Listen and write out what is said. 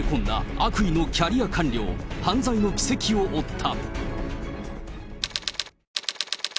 悪意のキャリア官僚、犯罪の軌跡を追った。